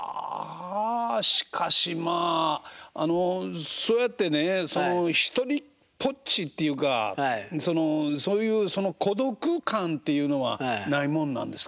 しかしまあそうやってね独りぽっちっていうかそういう孤独感っていうのはないもんなんですか？